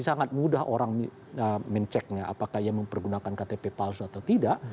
sangat mudah orang menceknya apakah ia mempergunakan ktp palsu atau tidak